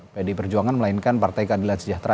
pdi perjuangan melainkan partai keadilan sejahtera